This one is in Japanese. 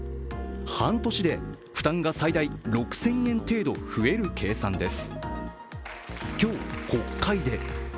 半年で負担が最大６０００円程度増える計算です。